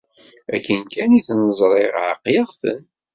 Akken kan i ten-ẓriɣ ɛeqleɣ-ten.